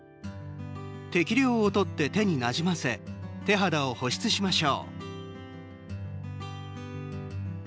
適量をとって手になじませ手肌を保湿しましょう。